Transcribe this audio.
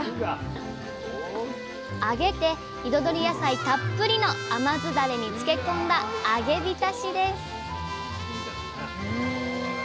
揚げて彩り野菜たっぷりの甘酢ダレにつけ込んだ「揚げびたし」です